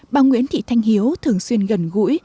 bà nguyễn thị thanh hiếu thường xuyên gần gũi